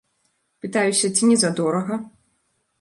Пытаюся, ці не задорага?